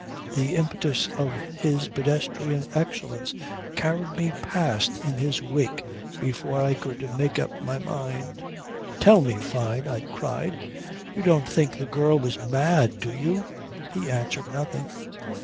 The impetus of his pedestrian excellence carried me past in his wake before I could make up my mind. "Tell me, Fyne," I cried, "you don't think the girl was mad do you?" He answered nothing.